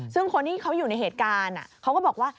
ซึ่งคนที่เขาอยู่ในเหตุการณ์เขาก็บอกว่า